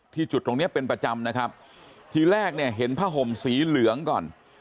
จุดตรงเนี้ยเป็นประจำนะครับทีแรกเนี่ยเห็นผ้าห่มสีเหลืองก่อน